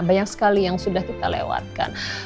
banyak sekali yang sudah kita lewatkan